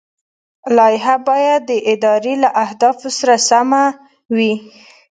لایحه باید د ادارې له اهدافو سره سمه وي.